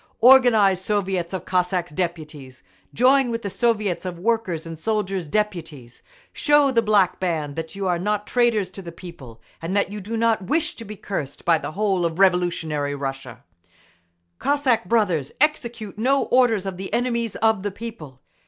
Organise Soviets of Cossacks' Deputies! Join with the Soviets of Workers' and Soldiers' Deputies! Show the Black Band that you are not traitors to the People, and that you do not wish to be cursed by the whole of revolutionary Russia!… Cossack brothers, execute no orders of the enemies of the people.